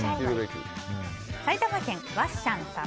埼玉県の方。